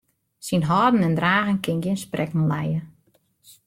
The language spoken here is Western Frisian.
Syn hâlden en dragen kin gjin sprekken lije.